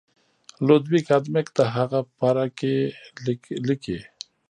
لودویک آدمک د هغه پاره کې لیکي.